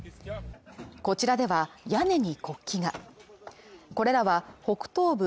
こちらでは屋根に国旗がこれらは北東部